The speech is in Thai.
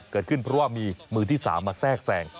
เกิดขึ้นเพราะว่ามีมือที่๓มาแทรกแสง